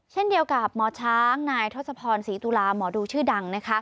เช่นเดียวกับหมอช้างนายทศพรศรีตุลาหมอดูชื่อดัง